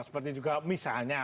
seperti juga misalnya